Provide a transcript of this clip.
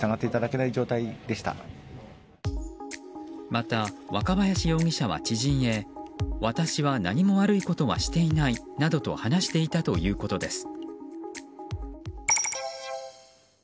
また、若林容疑者は知人へ私は何も悪いことはしていないなどと話していたということです。